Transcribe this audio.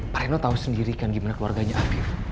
pak reno tau sendiri kan gimana keluarganya arief